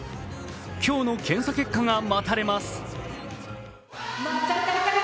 今日の検査結果が待たれます。